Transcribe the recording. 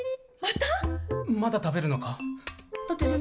まだ食べるのか？